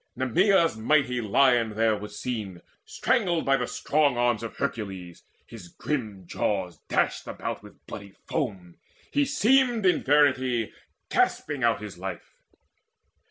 Nemea's mighty lion there was seen Strangled in the strong arms of Hercules, His grim jaws dashed about with bloody foam: He seemed in verity gasping out his life.